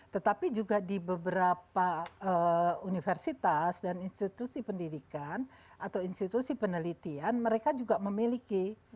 tetapi juga di beberapa universitas dan institusi pendidikan atau institusi penelitian mereka juga memiliki